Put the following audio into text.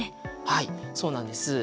はいそうなんです。